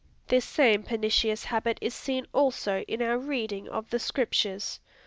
This same pernicious habit is seen also in our reading of the Scriptures.